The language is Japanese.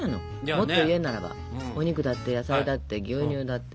もっと言うならばお肉だって野菜だって牛乳だって。